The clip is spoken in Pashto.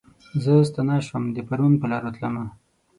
زه ستنه شوم د پرون پرلارو تلمه